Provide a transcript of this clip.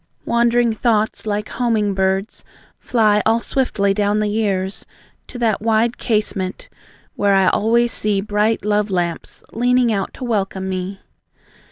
Wandering thoughts, like homing birds, Fly all swiftly down the years, To that wide casement, where I always see Bright love lamps leaning out to welcome me.